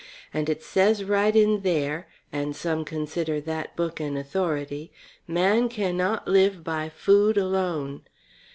"And it says right in there and some consider that Book an authority man cannot live by food alone.